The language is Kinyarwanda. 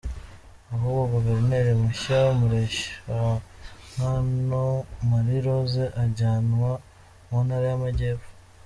Ahubwo Guverineri mushya, Mureshyankwano Marie Rose ajyanwa mu Ntara y’Amajyepfo.